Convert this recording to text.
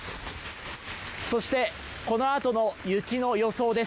そして、このあとの雪の予想です。